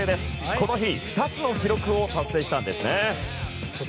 この日２つの記録を達成したんですね。